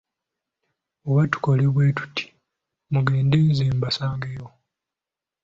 Oba tukole bwe tuti, mugende nze mbasangeyo.